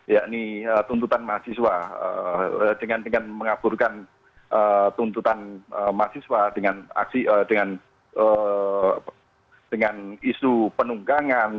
yakni tuntutan mahasiswa dengan mengaburkan tuntutan mahasiswa dengan isu penunggangan